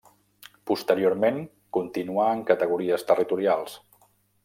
Posteriorment continuà en categories territorials.